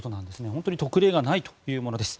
本当に特例がないというものなんです。